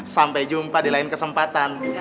sampai jumpa di lain kesempatan